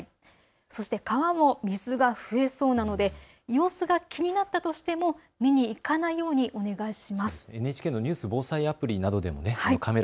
そして川も水が増えそうなので様子が気になったとしても見に行かないようお願いします。